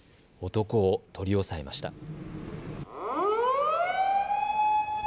男を取り押さえました。